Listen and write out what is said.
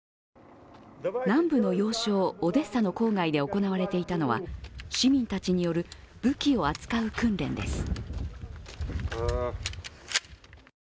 南部の要衝、オデッサの郊外で行われていたのは市民たちによる武器を扱う訓練です。